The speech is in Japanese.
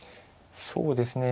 そうですね。